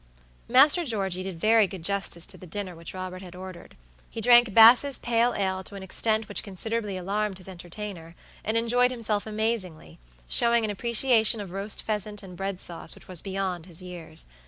Master Georgey did very good justice to the dinner which Robert had ordered. He drank Bass' pale ale to an extent which considerably alarmed his entertainer, and enjoyed himself amazingly, showing an appreciation of roast pheasant and bread sauce which was beyond his years.